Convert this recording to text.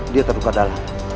dia terluka dalam